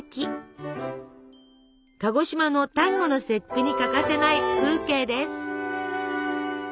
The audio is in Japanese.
鹿児島の端午の節句に欠かせない風景です。